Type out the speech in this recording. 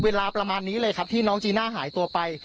เวลาประมาณนี้เลยครับที่น้องจีน่าหายตัวไป